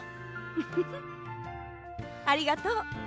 フフフありがとう。